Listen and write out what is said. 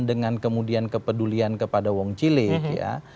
dengan kemudian kepedulian kepada wong cilik ya